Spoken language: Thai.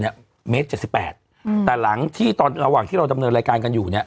เป็นเมตร๗๘แต่หลังที่ตอนระหว่างที่เราดำเนินรายการกันอยู่